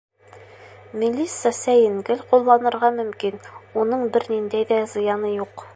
Мелисса сәйен гел ҡулланырға мөмкин, уның бер ниндәй ҙә зыяны юҡ.